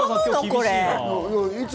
これ。